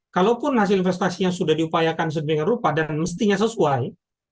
kalaupun hasil investasinya sudah diupayakan sedemikian rupa dan mestinya sesuai